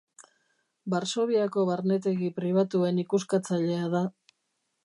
Varsoviako barnetegi pribatuen ikuskatzailea da.